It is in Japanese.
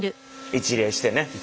一礼して。